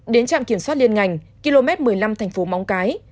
đến trạm kiểm soát liên ngành km một mươi năm thành phố móng cái